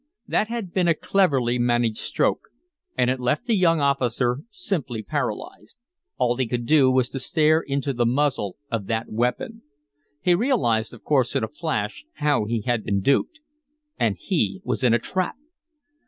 That had been a cleverly managed stroke, and it left the young officer simply paralyzed. All he could do was to stare into the muzzle of that weapon. He realized of course in a flash how he had been duped. And he was in a trap!